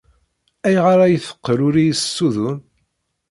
Ayɣer ay teqqel ur iyi-tessudun?